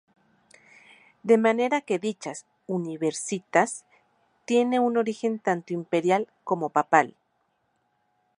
De manera que dicha "universitas" tiene un origen tanto imperial como papal.